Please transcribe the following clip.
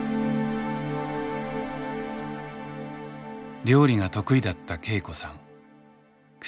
料理が得意だった恵子さん。